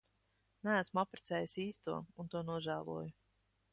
Neesmu apprecējis īsto un to nožēloju.